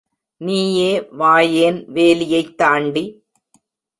நீயே வாயேன், வேலியைத் தாண்டி!